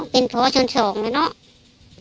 กินโทษส่องแล้วอย่างนี้ก็ได้